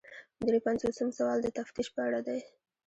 درې پنځوسم سوال د تفتیش په اړه دی.